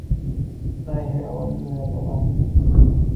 خدای هېرول لویه تباهي ده.